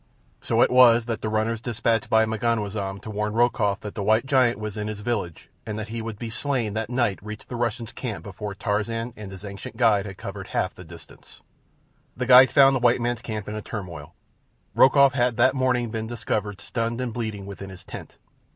So it was that the runners dispatched by M'ganwazam to warn Rokoff that the white giant was in his village and that he would be slain that night reached the Russian's camp before Tarzan and his ancient guide had covered half the distance. The guides found the white man's camp in a turmoil. Rokoff had that morning been discovered stunned and bleeding within his tent.